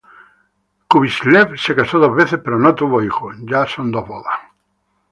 Kúibyshev se casó dos veces pero no tuvo hijos.